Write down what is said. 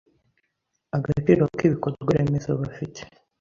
agaciro kibikorwa remezo bafite